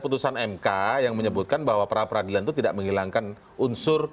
itu bukan unsur